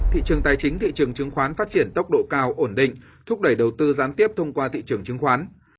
thị trường tài chính thị trường chứng khoán phát triển tốc độ cao ổn định thúc đẩy đầu tư gián tiếp thông qua thị trường chứng khoán